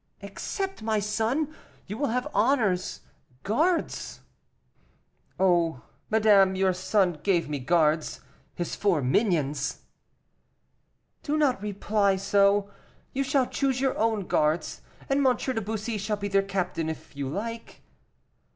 "Accept, my son; you will have honors, guards." "Oh, madame, your son gave me guards his four minions!" "Do not reply so; you shall choose your own guards, and M. de. Bussy shall be their captain, if you like."